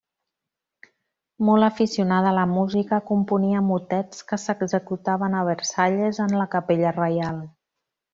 Molt aficionada a la música, componia motets, que s'executaven a Versalles, en la Capella Reial.